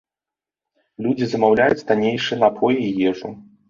Людзі замаўляюць таннейшыя напоі і ежу.